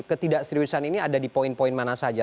ketidakseriusan ini ada di poin poin mana saja